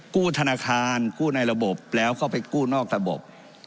กู้ธนาคารกู้ในระบบแล้วเข้าไปกู้นอกระบบ